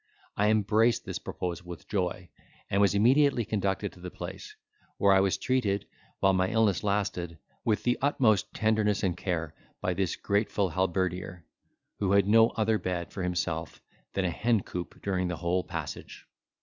I embraced this proposal with joy, and was immediately conducted to the place, where I was treated, while my illness lasted, with the utmost tenderness and care by this grateful halberdier, who had no other bed for himself than a hencoop during the whole passage.